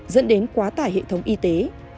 dẫn đến quá tải hệ thống y tế